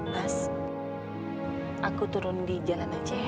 mas aku turun di jalan aja ya